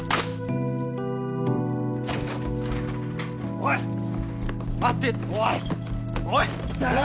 おい待てっておいおいんだよ！